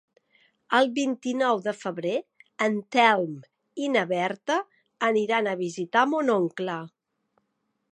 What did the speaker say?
El vint-i-nou de febrer en Telm i na Berta aniran a visitar mon oncle.